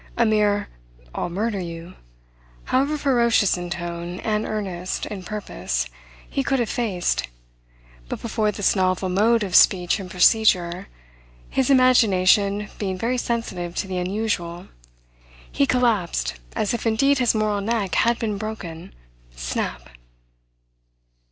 A mere "I'll murder you," however ferocious in tone, and earnest, in purpose, he could have faced; but before this novel mode of speech and procedure, his imagination being very sensitive to the unusual, he collapsed as if indeed his moral neck had been broken snap!